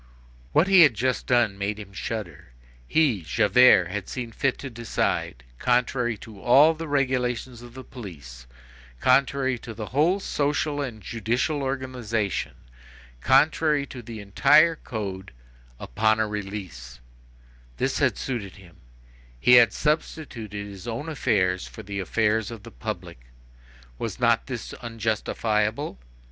What he had just done made him shudder. He, Javert, had seen fit to decide, contrary to all the regulations of the police, contrary to the whole social and judicial organization, contrary to the entire code, upon a release; this had suited him; he had substituted his own affairs for the affairs of the public; was not this unjustifiable?